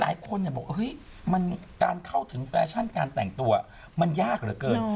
หลายคนบอกเฮ้ยมันการเข้าถึงแฟชั่นการแต่งตัวมันยากเหลือเกิน